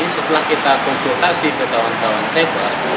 setelah kita konsultasi ke kawan kawan setra